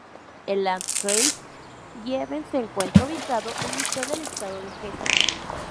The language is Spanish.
El "Landkreis Gießen" se encuentra ubicado en mitad del estado de Hessen.